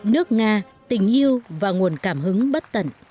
nước nga tình yêu và nguồn cảm hứng bất tận